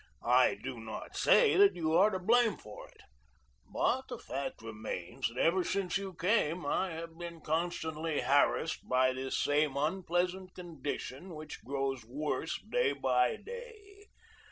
I do not say that you are to blame for it, but the fact remains that ever since you came I have been constantly harassed by this same unpleasant condition which grows worse day by day.